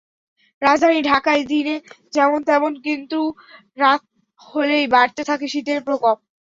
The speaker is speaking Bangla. রাজধানী ঢাকায় দিনে যেমন তেমন, কিন্তু রাত হলেই বাড়তে থাকে শীতের প্রকোপ।